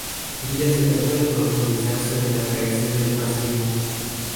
En ella se trata de profundizar sobre las raíces del racismo.